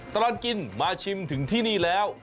ตลอดกินมาชิมถึงที่นี่แล้ว